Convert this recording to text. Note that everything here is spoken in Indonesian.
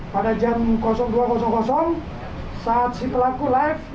pada jam dua saat si pelaku live